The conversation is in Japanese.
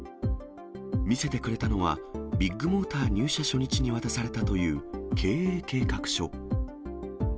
見せてくれたのは、ビッグモーター入社初日に渡されたという経営計画書。